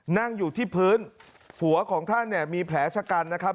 นั่งอยู่ที่พื้นหัวของท่านเนี่ยมีแผลชะกันนะครับ